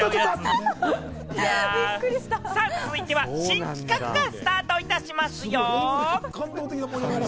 続いては新企画がスタートいたしますよ。